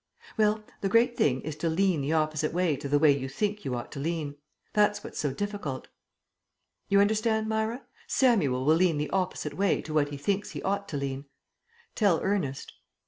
"Well, the great thing is to lean the opposite way to the way you think you ought to lean. That's what's so difficult." "You understand, Myra? Samuel will lean the opposite way to what he thinks he ought to lean. Tell Ernest."